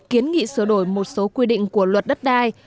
kiến nghị sửa đổi một số quy định của luật đất đai